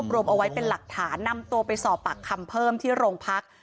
รวมเอาไว้เป็นหลักฐานนำตัวไปสอบปากคำเพิ่มที่โรงพัก